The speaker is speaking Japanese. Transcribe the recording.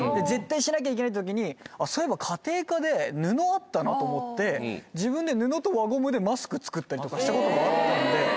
絶対しなきゃいけないときにそういえば家庭科で布あったなと思って自分で布と輪ゴムでマスク作ったりしたこともあったんで。